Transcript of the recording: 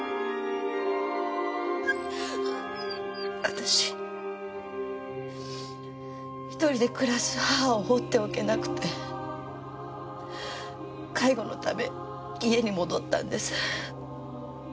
私１人で暮らす母を放っておけなくて介護のため家に戻ったんです。